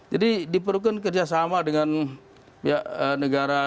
jadi diperlukan kerjasama dengan negara